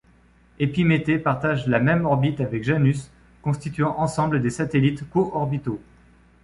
Épiméthée partage la même orbite avec Janus constituant ensemble des satellites co-orbitaux.